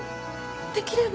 できれば。